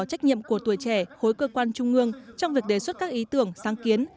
trách nhiệm của tuổi trẻ khối cơ quan trung ương trong việc đề xuất các ý tưởng sáng kiến